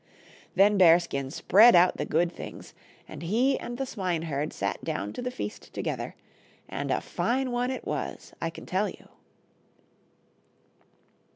Then Bearskin spread out the good things, and he and the swineherd sat down to the feast together, and a fine one it was, I can tell you.